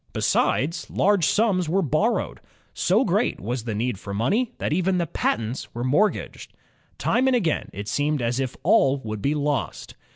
Besides, large sums were borrowed. So great was the need for money that even the patents were mortgaged. Time and again it seemed as if all would be lost.